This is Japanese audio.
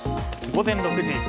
午前６時。